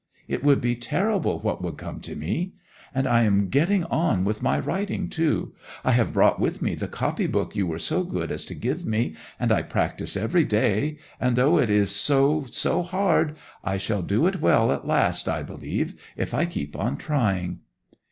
It would be terrible what would come to me! And I am getting on with my writing, too. I have brought with me the copybook you were so good as to give me, and I practise every day, and though it is so, so hard, I shall do it well at last, I believe, if I keep on trying.